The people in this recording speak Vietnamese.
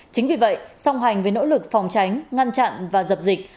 chính vì vậy song hành với nỗ lực phòng tránh ngăn chặn và dập dịch